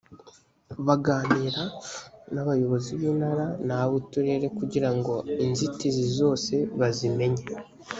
baganira n abayobozi b intara n ab uturere kugira ngo inzitizi zose bazimenye